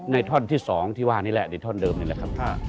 ท่อนที่๒ที่ว่านี่แหละในท่อนเดิมนี่แหละครับ